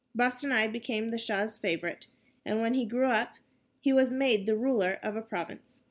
Bostanai became the Shah's favorite, and when he grew up he was made the ruler of a province.